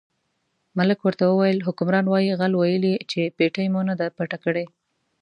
ملک ورته وویل حکمران وایي غل ویلي چې پېټۍ مو نه ده پټه کړې.